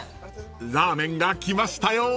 ［ラーメンが来ましたよ］